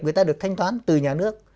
người ta được thanh toán từ nhà nước